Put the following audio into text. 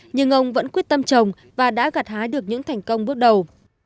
nhưng ông vẫn quyết tâm trồng và đã gặt hái được những thành công bước đầu